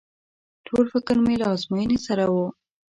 ټول فکر مې له ازموينې سره و.